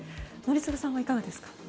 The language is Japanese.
宜嗣さんはいかがですか？